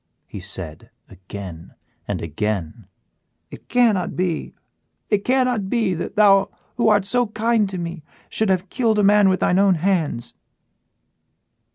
he said, again and again, "it cannot be it cannot be that thou who art so kind to me should have killed a man with thine own hands."